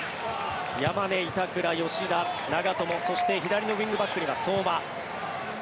山根、板倉、吉田、長友そして左のウィングバックには相馬。